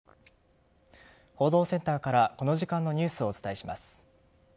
報道センターからこの時間のニュースをお伝えします。